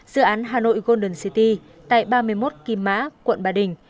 dự án hà nội golden city tại ba mươi một kim mã quận ba đình